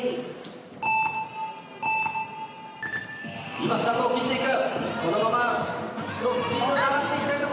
今スタートを切っていく。